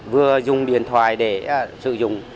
vừa dùng điện thoại để sử dụng